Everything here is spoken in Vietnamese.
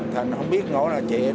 thành không biết ngổ nào chị